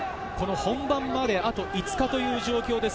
本番まで、あと５日という状況です。